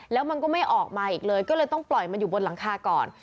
แล้วมันก็ไม่ออกมาอีกเลยก็เลยต้องปล่อยมันอยู่บนหลังคาก่อน